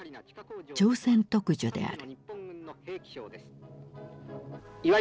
朝鮮特需である。